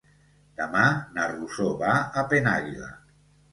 Demà na Rosó va a Penàguila.